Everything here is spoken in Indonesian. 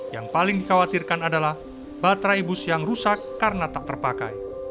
yang paling dikhawatirkan adalah baterai bus yang rusak karena tak terpakai